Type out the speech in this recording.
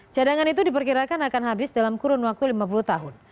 cadangan itu diperkirakan akan habis dalam kurun waktu lima puluh tahun